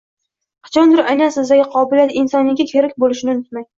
Qachondir aynan sizdagi qobiliyat insoniyatga kerak bo’lishini unutmang